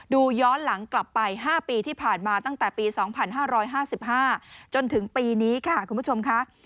ย้อนหลังกลับไป๕ปีที่ผ่านมาตั้งแต่ปี๒๕๕๕จนถึงปีนี้ค่ะคุณผู้ชมค่ะ